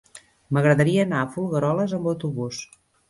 M'agradaria anar a Folgueroles amb autobús.